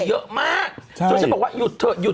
เธอจะบอกว่าหยุดเฮะหยุดเธอ